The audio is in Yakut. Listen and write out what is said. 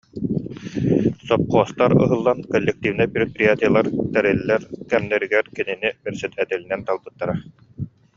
Сопхуостар ыһыллан, кол- лективнай предприятиелар тэриллэр кэмнэригэр кинини бэрэссэдээтэлинэн талбыттара